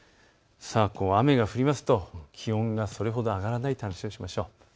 雨が降りますと気温がそれほど上がらないという話をしましょう。